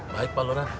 baik pak lora